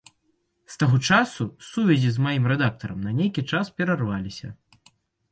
З таго часу сувязі з маім рэдактарам на нейкі час перарваліся.